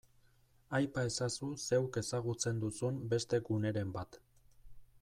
Aipa ezazu zeuk ezagutzen duzun beste guneren bat.